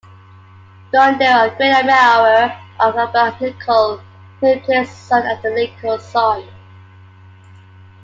Dondero, a great admirer of Abraham Lincoln, named his son after Lincoln's son.